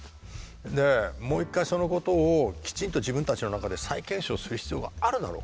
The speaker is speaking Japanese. でもう一回そのことをきちんと自分たちの中で再検証する必要があるだろう。